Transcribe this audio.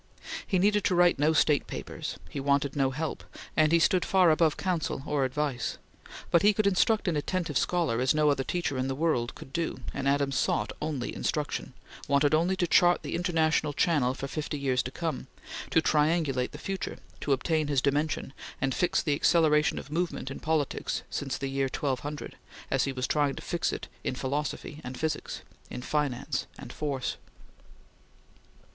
He needed to write no state papers; he wanted no help, and he stood far above counsel or advice; but he could instruct an attentive scholar as no other teacher in the world could do; and Adams sought only instruction wanted only to chart the international channel for fifty years to come; to triangulate the future; to obtain his dimension, and fix the acceleration of movement in politics since the year 1200, as he was trying to fix it in philosophy and physics; in finance and force.